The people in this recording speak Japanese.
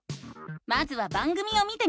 まずは番組を見てみよう！